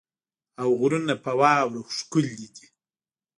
او غرونه په واوره ښکلې دي.